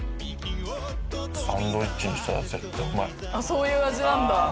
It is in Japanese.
そういう味なんだ。